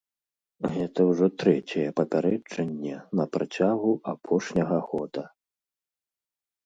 Гэта ўжо трэцяе папярэджанне на працягу апошняга года.